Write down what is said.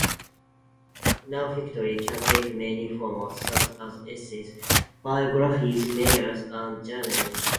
Non-fiction can take many forms, such as essays, biographies, memoirs, and journalism.